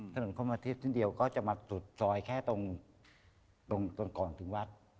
ถนนเข้ามาทิศที่เดียวก็จะมาสุดซอยแค่ตรงก่อนถึงวัด